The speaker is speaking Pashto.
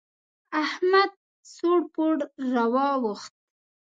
احمد سوړ پوړ را واوښت.